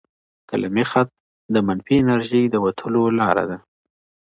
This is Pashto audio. قلمي خط د منفي انرژی د وتلو لاره ده.